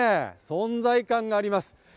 存在感があります。